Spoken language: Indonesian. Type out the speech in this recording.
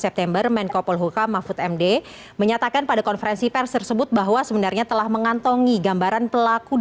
itu menunjukkan tidak ada motif kejahatan yang diharapkan